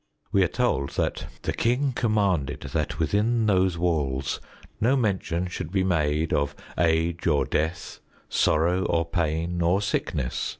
We are told that: The king commanded that within those walls No mention should be made of age or death Sorrow or pain, or sickness